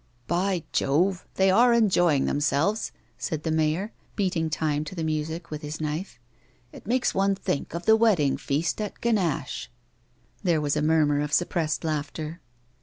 "By Jove! they are enjoying themselves!" said the mayor, beating time to the music with his knife. " It makes one think of the wedding feast at Ganache." There was a murmur of suppressed laughter.